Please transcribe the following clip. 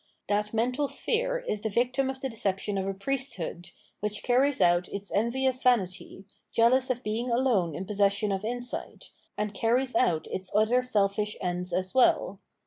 That mental sphere is the victim of the deception of a Priesthood, which carries out its envious vanity, jealous of being alone in possession of insight, and carries out its other selfish ends as well.